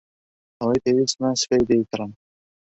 ئەوەی پێویستمە سبەی دەیکڕم.